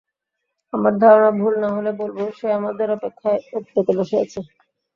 আমার ধারণা ভুল না হলে বলব, সে আমাদের অপেক্ষায় ওঁৎ পেতে বসে আছে।